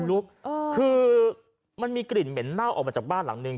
ลุกคือมันมีกลิ่นเหม็นเน่าออกมาจากบ้านหลังนึง